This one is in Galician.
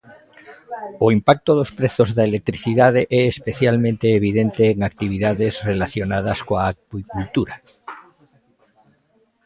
O impacto dos prezos da electricidade é especialmente evidente en actividades relacionadas coa acuicultura.